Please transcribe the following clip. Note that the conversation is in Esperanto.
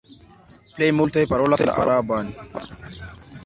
Plej multaj parolas la araban.